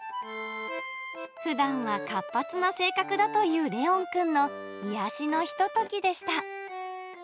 ふだんは活発な性格だというレオン君の癒やしのひとときでし